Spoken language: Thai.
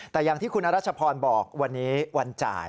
แต่อย่างที่คุณอรัชพรบอกวันนี้วันจ่าย